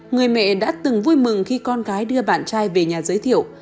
người mẹ đã từng vui mừng khi con gái đưa bạn trai về nhà giới thiệu